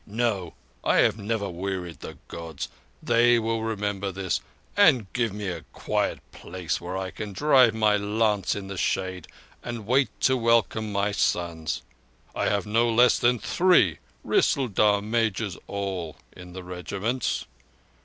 No, I have never wearied the Gods. They will remember this, and give me a quiet place where I can drive my lance in the shade, and wait to welcome my sons: I have no less than three Rissaldar—majors all—in the regiments."